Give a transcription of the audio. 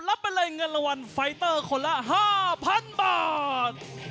รับไปเลยเงินรางวัลไฟเตอร์คนละ๕๐๐๐บาท